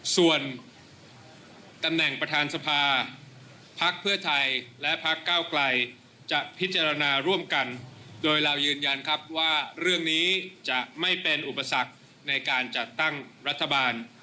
ส่วนตำแหน่งประธานสภาพักเพื่อไทยและพักเก้าไกลจะพิจารณาร่วมกันโดยเรายืนยันครับว่าเรื่องนี้จะไม่เป็นอุปสรรคในการจัดตั้งรัฐบาล